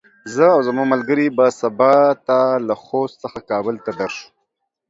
زه او زما ملګري به سبا ته له خوست څخه کابل ته درشو.